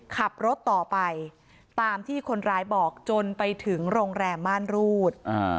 ขับรถต่อไปตามที่คนร้ายบอกจนไปถึงโรงแรมม่านรูด